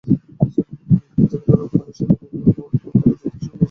যেখানে রঙ কালো, সেখানে অন্যান্য কালো জাতের সঙ্গে মিশে এইটি দাঁড়িয়েছে।